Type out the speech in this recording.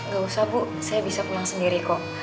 gak usah bu saya bisa pulang sendiri kok